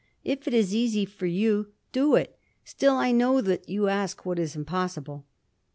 _ "If it is easy for you, do it. Still I know that you ask what is impossible."